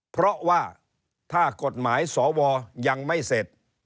เพราะว่าถ้ากฎหมายสวยังไม่เสร็จ